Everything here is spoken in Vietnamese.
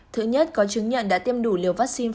thứ nhất có chứng nhận đã tiêm đủ liều vaccine